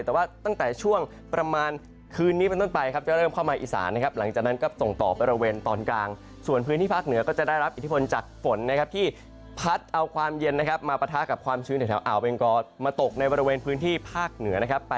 แต่ว่าตั้งแต่ช่วงประมาณคืนนี้เป็นต้นไปครับจะเริ่มเข้ามาอีสานนะครับหลังจากนั้นก็ส่งต่อไปบริเวณตอนกลางส่วนพื้นที่ภาคเหนือก็จะได้รับอิทธิพลจากฝนนะครับที่พัดเอาความเย็นนะครับมาปะทะกับความชื้นแถวอ่าวเบงกอมาตกในบริเวณพื้นที่ภาคเหนือนะครับ